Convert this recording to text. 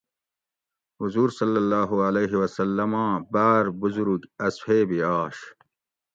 حضور (ص) آں باۤر بزرگ اصحیبی آش